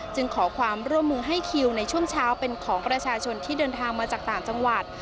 ขอความร่วมมือให้คิวในช่วงเช้าเป็นของประชาชนที่เดินทางมาจากต่างจังหวัด